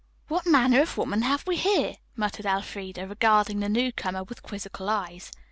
"What manner of woman have we here?" muttered Elfreda, regarding the newcomer with quizzical eyes.